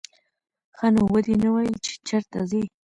ښه نو ودې نه ویل چې چېرته ځې.